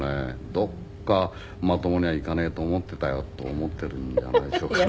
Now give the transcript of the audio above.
どこかまともにはいかねえと思ってたよと思ってるんじゃないでしょうかね。